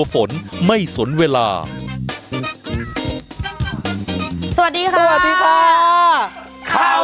เขาใส่ใคร